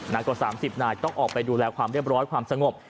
กว่า๓๐นายต้องออกไปดูแลความเรียบร้อยความสงบ